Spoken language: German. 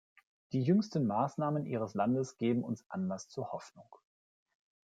Die jüngsten Maßnahmen Ihres Landes geben uns Anlass zu Hoffnung.